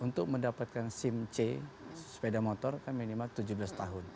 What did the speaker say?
untuk mendapatkan sim c sepeda motor kan minimal tujuh belas tahun